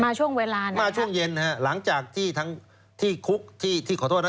ช่วงเวลานั้นมาช่วงเย็นฮะหลังจากที่ทั้งที่คุกที่ที่ขอโทษนะ